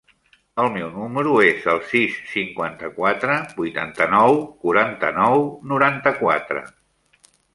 El meu número es el sis, cinquanta-quatre, vuitanta-nou, quaranta-nou, noranta-quatre.